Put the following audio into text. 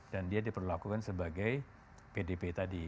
dan dia diperlakukan sebagai pdp tadi